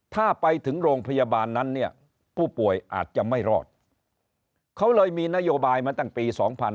ถ้าไปถึงโรงพยาบาลนั้นเนี่ยผู้ป่วยอาจจะไม่รอดเขาเลยมีนโยบายมาตั้งปี๒๕๕๙